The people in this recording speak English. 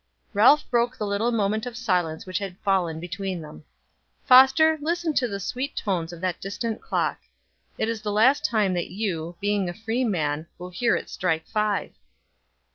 Ralph broke the little moment of silence which had fallen between them. "Foster, listen to the sweet tones of that distant clock. It is the last time that you, being a free man, will hear it strike five."